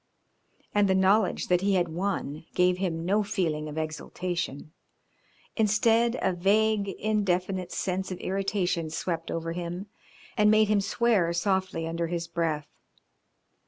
And the knowledge that he had won gave him no feeling of exultation, instead a vague, indefinite sense of irritation swept over him and made him swear softly under his breath.